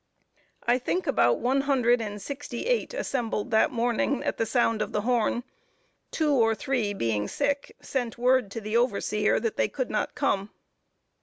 I think about one hundred and sixty eight assembled this morning, at the sound of the horn two or three being sick, sent word to the overseer that they could not come.